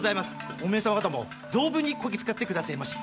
おめえ様方も存分にこき使ってくだせぇまし！